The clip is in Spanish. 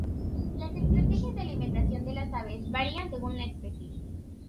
Las estrategias de alimentación de las aves varían según la especie.